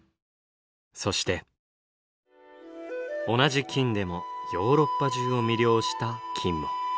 そして同じ金でもヨーロッパ中を魅了した金も。